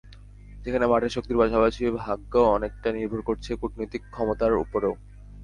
যেখানে মাঠের শক্তির পাশাপাশি ভাগ্য অনেকটাই নির্ভর করছে কূটনৈতিক ক্ষমতার ওপরও।